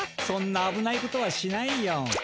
そんなあぶないことはしないよ。